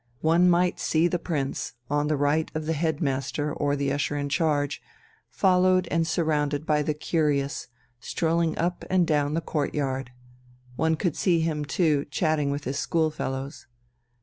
One might see the prince, on the right of the head master or the usher in charge, followed and surrounded by the curious, strolling up and down the courtyard. One could see him, too, chatting with his schoolfellows.